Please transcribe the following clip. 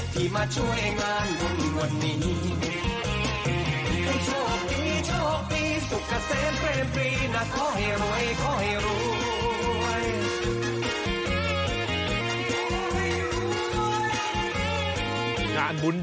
ที่มาช่วยงานบุญวันนี้